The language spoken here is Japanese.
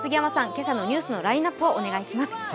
今朝のニュースのラインナップをお願いします。